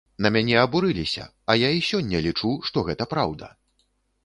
На мяне абурыліся, а я і сёння лічу, што гэта праўда.